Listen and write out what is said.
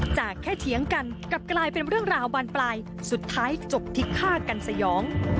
จากแค่เถียงกันกลับกลายเป็นเรื่องราวบานปลายสุดท้ายจบที่ฆ่ากันสยอง